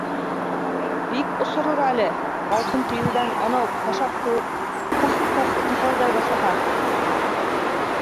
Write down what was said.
- Бик осорор әле, һалҡын тейҙереп, анау Кашаф кеүек, ҡых-ҡых ҡыһылдай башлаһа...